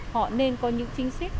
họ nên có những trinh sức